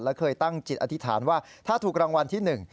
และเคยตั้งจิตอธิษฐานว่าถ้าถูกรางวัลที่หนึ่ง